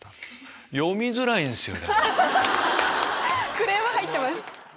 クレーム入ってます。